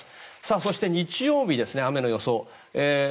そして、日曜日、雨の予想